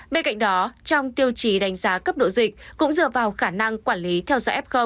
bên cạnh đó trong tiêu chí đánh giá cấp độ dịch cũng dựa vào khả năng quản lý theo dõi f